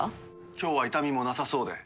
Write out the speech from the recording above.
今日は痛みもなさそうで。